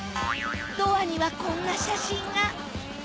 ドアにはこんな写真が。